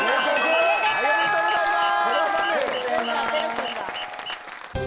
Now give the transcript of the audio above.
ありがとうございます。